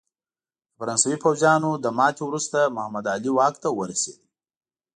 د فرانسوي پوځیانو له ماتې وروسته محمد علي واک ته ورسېد.